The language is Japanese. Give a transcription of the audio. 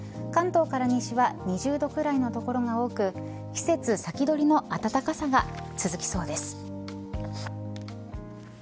関東から西は２０度くらいの所が多く季節先取りの暖かさが続きそうです。